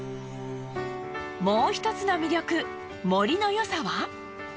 もう一つの魅力盛りのよさは？